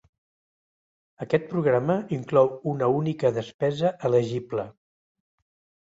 Aquest programa inclou una única despesa elegible.